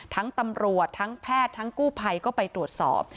ตามรวชทางแพทย์ทางกู่ภัยก็ไปตรวจสอบ